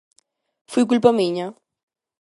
_Foi culpa miña.